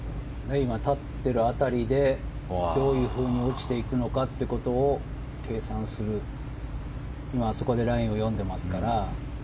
今、立っている辺りでどういうふうに落ちていくかを計算する、あそこでラインを読んでいますから。